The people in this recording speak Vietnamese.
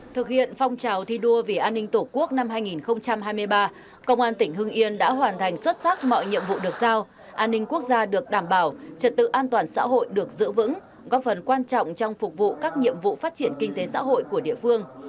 thực hiện phong trào thi đua vì an ninh tổ quốc năm hai nghìn hai mươi ba công an tỉnh hưng yên đã hoàn thành xuất sắc mọi nhiệm vụ được giao an ninh quốc gia được đảm bảo trật tự an toàn xã hội được giữ vững góp phần quan trọng trong phục vụ các nhiệm vụ phát triển kinh tế xã hội của địa phương